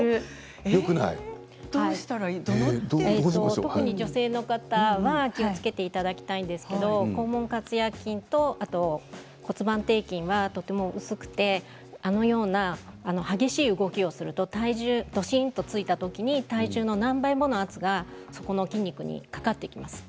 特に女性の方は気をつけていただきたいんですけれど肛門括約筋と骨盤底筋はとても薄くてあのような激しい動きをすると体重ドシンとついたときに体重の何倍もの圧がその筋肉にかかってきます。